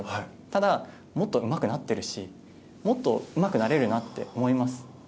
ただ、もっとうまくなってるしもっとうまくなれるなって思います。